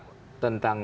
bahwa menolak tentang